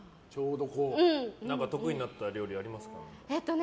得意になった料理ありますか？